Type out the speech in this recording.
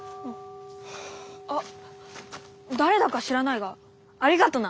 あっ誰だか知らないがありがとな！